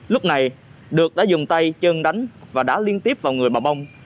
lúc này được đã dùng tay chân đánh và đá liên tiếp vào người bà bông